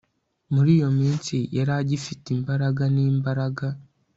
Muri iyo minsi yari agifite imbaraga nimbaraga